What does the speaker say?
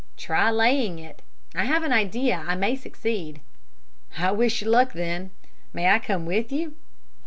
"Try laying it. I have an idea I may succeed." "I wish you luck, then. May I come with you?"